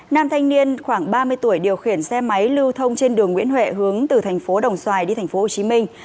nam thanh niên khoảng ba mươi tuổi điều khiển xe máy lưu thông trên đường nguyễn huệ hướng từ thành phố đồng xoài đi thành phố hồ chí minh